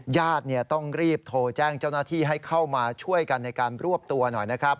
ญาติต้องรีบโทรแจ้งเจ้าหน้าที่ให้เข้ามาช่วยกันในการรวบตัวหน่อยนะครับ